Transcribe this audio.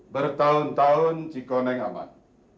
bertahun tahun cikoneng amat